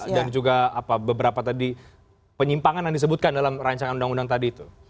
juga beberapa tadi penyimpangan yang disebutkan dalam rancangan undang undang tadi itu